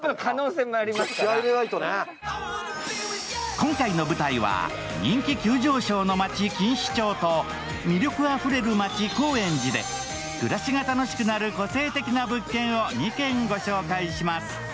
今回の舞台は人気急上昇の街、錦糸町と魅力あふれる町、高円寺で暮らしが楽しくなる個性的な物件を２軒ご紹介します。